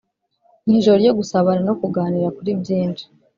mu ijoro ryo gusabana no kuganira kuri byinshi